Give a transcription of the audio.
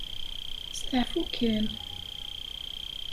Steɛfut kan.